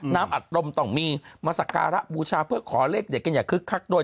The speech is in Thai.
อัดลมต้องมีมาสักการะบูชาเพื่อขอเลขเด็ดกันอย่างคึกคักโดย